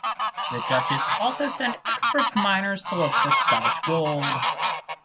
The Duchess also sent expert miners to look for Scottish gold.